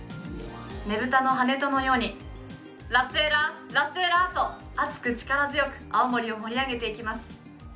ねぶたのハネトのようにラッセラー、ラッセラーと熱く力強く青森を盛り上げていきます。